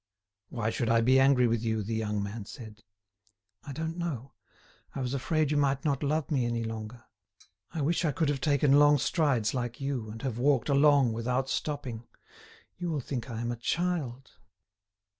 "Why should I be angry with you?" the young man said. "I don't know. I was afraid you might not love me any longer. I wish I could have taken long strides like you, and have walked along without stopping. You will think I am a child."